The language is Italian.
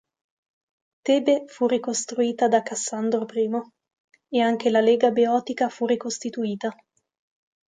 Tebe fu ricostruita da Cassandro I; e anche la lega beotica fu ricostituita.